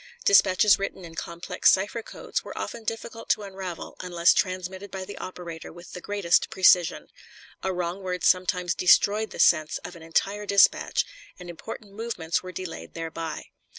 Dispatches written in complex cipher codes were often difficult to unravel, unless transmitted by the operator with the greatest precision. A wrong word sometimes destroyed the sense of an entire dispatch, and important movements were delayed thereby.